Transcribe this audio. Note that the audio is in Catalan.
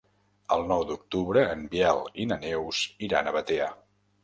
El nou d'octubre en Biel i na Neus iran a Batea.